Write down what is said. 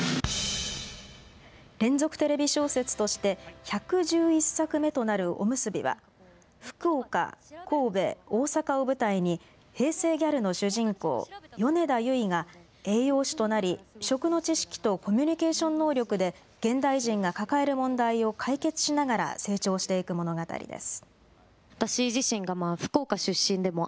連続テレビ小説として１１１作目となるおむすびは福岡、神戸、大阪を舞台に平成ギャルの主人公、米田結が栄養士となり食の知識とコミュニケーション能力で現代人が抱える問題を解決しながら成長していく物語です。